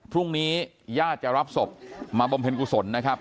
พรุ่งนี้ญาติจะรับศพมาบำเพ็ญกุศลนะครับ